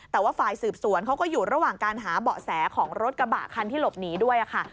แต่ว่าฝ่ายสืบสวนเขาก็อยู่ระหว่างการหาเบาะแสของรถกระบะคันที่หลบหนีด้วยค่ะ